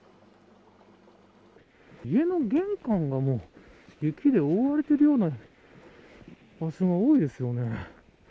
家の玄関がもう雪で覆われているような場所が多いですよね。